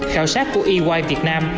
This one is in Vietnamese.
khảo sát của ey việt nam